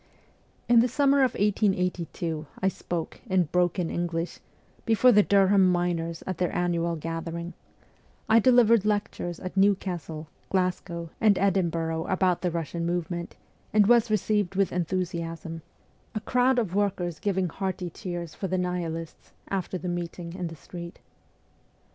In the summer of 1882 I spoke, in broken English, before the Durham miners at their annual gather ing ; I delivered lectures at Newcastle, Glasgow, and Edinburgh about the Eussian movement, and was received with enthusiasm, a crowd of workers giving 264 MEMOIRS OF A REVOLUTIONIST hearty cheers for the Nihilists, after the meeting, in the street.